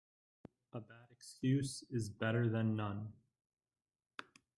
A bad excuse is better then none.